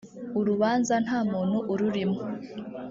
urubanza nta muntu ururimo .